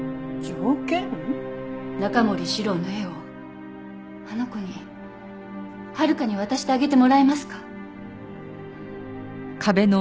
中森司郎の絵をあの子に温香に渡してあげてもらえますか？